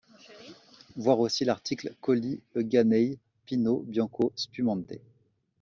Voir aussi l’article Colli Euganei Pinot Bianco spumante.